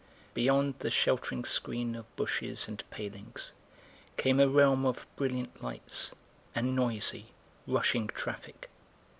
Beyond the sheltering screen of bushes and palings came a realm of brilliant lights and noisy, rushing traffic.